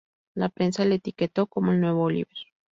La prensa le etiquetó como "el nuevo Olivier".